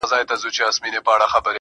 دومره ناهیلې ده چي ټول مزل ته رنگ ورکوي.